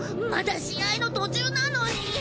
まだ試合の途中なのに。